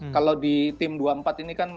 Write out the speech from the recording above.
kalau di tim dua puluh empat ini kan